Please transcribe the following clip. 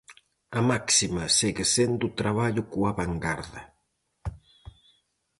A máxima segue sendo o traballo coa vangarda.